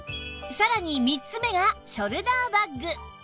さらに３つ目がショルダーバッグ